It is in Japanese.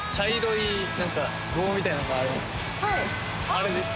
あれです。